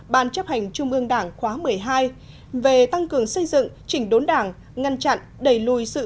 ban chấp hành trung ương đảng khóa một mươi hai về tăng cường xây dựng chỉnh đốn đảng ngăn chặn đẩy lùi sự